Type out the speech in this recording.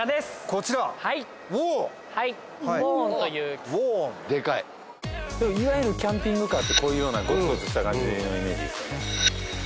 こちらはいヴォーンというヴォーンでかいキャンピングカーってこういうようなゴツゴツした感じのイメージですよね